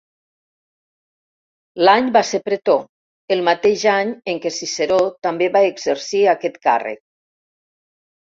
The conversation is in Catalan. L'any va ser pretor, el mateix any en què Ciceró també va exercir aquest càrrec.